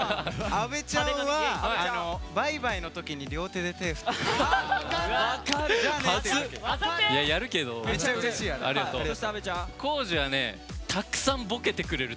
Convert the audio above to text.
阿部ちゃんはバイバイのときに両手で手を振ってくれる。